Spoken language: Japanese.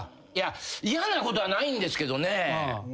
嫌なことはないんですけどね。